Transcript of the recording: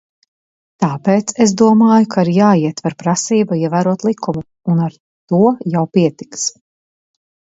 Tāpēc es domāju, ka ir jāietver prasība ievērot likumu, un ar to jau pietiks.